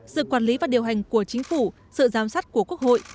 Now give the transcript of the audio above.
sự quản lý và điều hành của chính phủ sự giám sát của quốc hội